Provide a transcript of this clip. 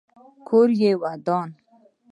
کور یې ودان.